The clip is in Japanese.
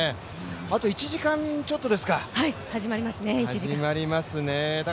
あと１時間ちょっとで始まりますね。